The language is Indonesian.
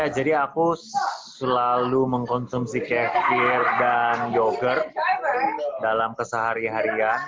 jadi aku selalu mengkonsumsi kefir dan yogurt dalam kesehari harian